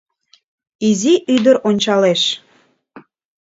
Изи ӱдыр ончалеш